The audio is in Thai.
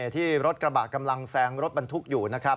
ที่รถกระบะกำลังแซงรถบรรทุกอยู่นะครับ